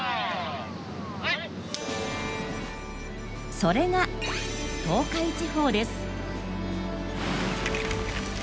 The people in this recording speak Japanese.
それが東海地方です。